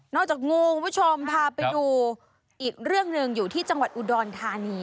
จากงูคุณผู้ชมพาไปดูอีกเรื่องหนึ่งอยู่ที่จังหวัดอุดรธานี